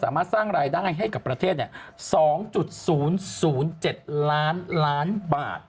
สร้างรายได้ให้กับประเทศ๒๐๐๗ล้านล้านบาท